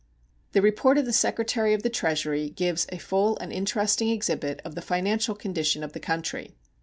The report of the Secretary of the Treasury gives a full and interesting exhibit of the financial condition of the country.